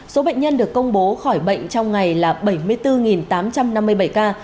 số bệnh nhân được công bố khỏi bệnh trong ngày là bảy mươi bốn tám trăm năm mươi bảy ca